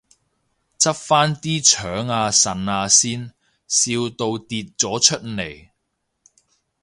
執返啲腸啊腎啊先，笑到跌咗出嚟